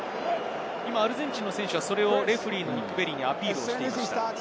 アルゼンチンの選手は、それをレフェリーにアピールしていました。